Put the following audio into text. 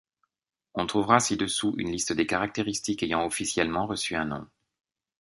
On trouvera ci-dessous une liste des caractéristiques ayant officiellement reçu un nom.